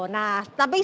nah tapi sebelumnya